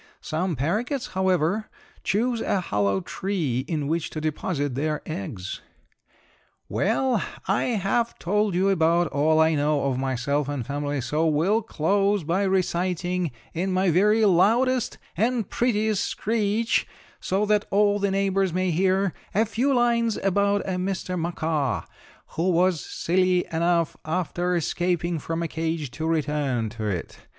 Some paroquets, however, choose a hollow tree in which to deposit their eggs. "Well, I have told you about all I know of myself and family, so will close by reciting in my very loudest and prettiest screech, so that all the neighborhood may hear, a few lines about a Mr. Macaw who was silly enough, after escaping from a cage, to return to it.